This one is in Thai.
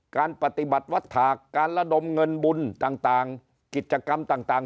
การปฏิบัติวัฒาการระดมเงินบุญต่างกิจกรรมต่าง